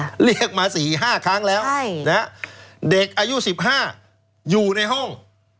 เด็กอายุ๑๕อยู่ในห้อง